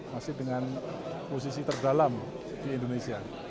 masih dengan posisi terdalam di indonesia